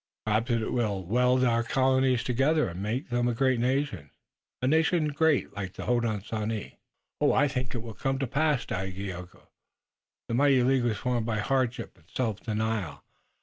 Perhaps it will weld our colonies together and make of them a great nation, a nation great like the Hodenosaunee." "I think it will come to pass, Dagaeoga. The mighty League was formed by hardship and self denial.